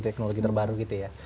teknologi terbaru gitu ya